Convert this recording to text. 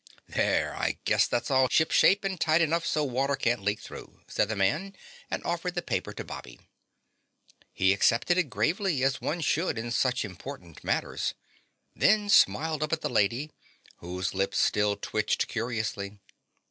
"There, I guess that's all ship shape and tight enough so water can't leak through," said the man and offered the paper to Bobby. He accepted it gravely, as one should in such important matters, then smiled up at the Lady whose lip still twitched curiously.